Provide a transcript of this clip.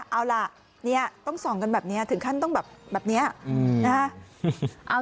เอาล่ะต้องส่องกันแบบนี้ถึงขั้นต้องแบบแบบนี้นะฮะ